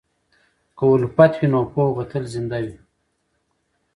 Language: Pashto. که الفت وي، نو پوهه به تل زنده وي.